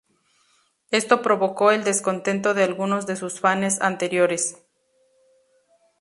Esto provocó el descontento de algunos de sus fanes anteriores.